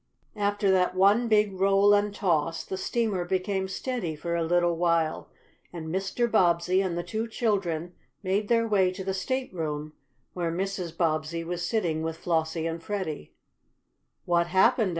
After that one big roll and toss the steamer became steady for a little while, and Mr. Bobbsey and the two children made their way to the stateroom where Mrs. Bobbsey was sitting with Flossie and Freddie. "What happened?"